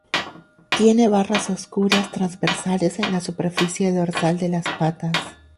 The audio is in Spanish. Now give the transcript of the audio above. Tiene barras oscuras transversales en la superficie dorsal de las patas.